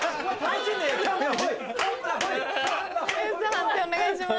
判定お願いします。